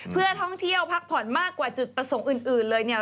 เพื่อท่องเที่ยวพักผ่อนมากกว่าจุดประสงค์อื่นเลยเนี่ย